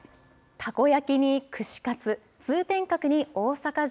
たこ焼きに串カツ、通天閣に大阪城。